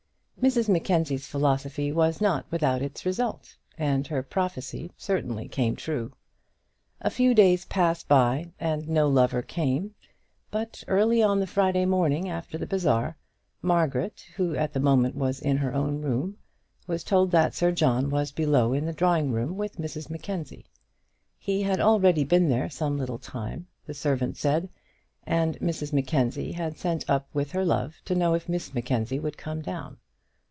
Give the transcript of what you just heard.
Mrs Mackenzie's philosophy was not without its result, and her prophecy certainly came true. A few days passed by and no lover came, but early on the Friday morning after the bazaar, Margaret, who at the moment was in her own room, was told that Sir John was below in the drawing room with Mrs Mackenzie. He had already been there some little time, the servant said, and Mrs Mackenzie had sent up with her love to know if Miss Mackenzie would come down.